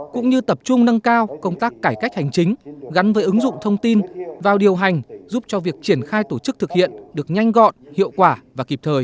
cũng như tập trung nâng cao công tác cải cách hành chính gắn với ứng dụng thông tin vào điều hành giúp cho việc triển khai tổ chức thực hiện được nhanh gọn hiệu quả và kịp thời